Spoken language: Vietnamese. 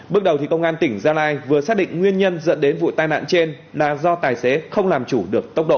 bước đầu công an tỉnh gia lai vừa xác định nguyên nhân dẫn đến vụ tai nạn trên là do tài xế không làm chủ được tốc độ